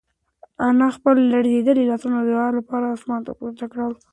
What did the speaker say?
انا خپل لړزېدلي لاسونه د دعا لپاره اسمان ته پورته کړل.